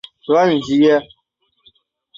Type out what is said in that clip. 松木宗显。